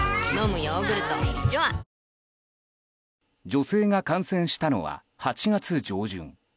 女性が感染したのは８月上旬。